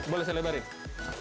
boleh saya lebari